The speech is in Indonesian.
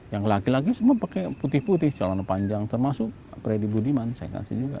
yang laki laki semua pakai putih putih calon panjang termasuk freddy budiman saya kasih juga